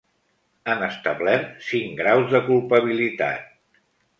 Han establert cinc graus de culpabilitat.